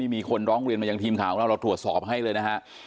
มีคนร้องเรียนมาอย่างทีมข่าวเราถูกตรวจสอบให้เลยนะครับ